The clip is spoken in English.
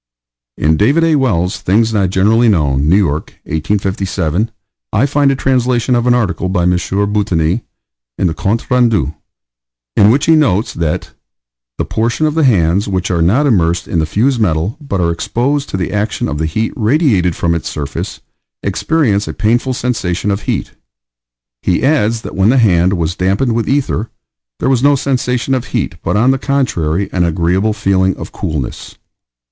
In David A. Wells' Things not Generally Known, New York, 1857, I find a translation of an article by M. Boutigny in The Comptes Rendus, in which he notes that "the portion of the hands which are not immersed in the fused metal, but are exposed to the action of the heat radiated from its surface, experience a painful sensation of heat." He adds that when the hand was dampened with ether "there was no sensation of heat, but, on the contrary, an agreeable feeling of coolness."